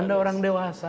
anda orang dewasa